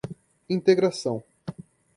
integração